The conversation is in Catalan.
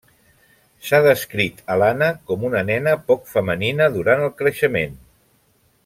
S'ha descrit Alana com una nena poc femenina durant el creixement.